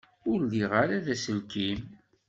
Ur liɣ ara aselkim.